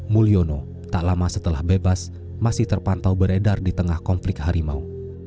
mulyono tak lama setelah bebas masih terpantau beredar di tengah konflik harimau